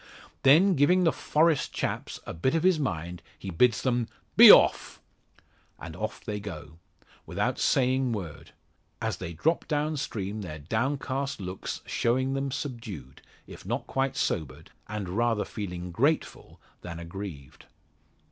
Then giving the "Forest chaps" a bit of his mind he bids them "be off!" And off go they, without saying word; as they drop down stream their downcast looks showing them subdued, if not quite sobered, and rather feeling grateful than aggrieved.